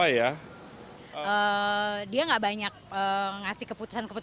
yang ke segunda hand